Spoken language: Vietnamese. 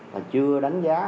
là chưa đánh giá